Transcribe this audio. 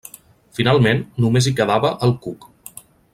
Finalment, només hi quedava el cuc.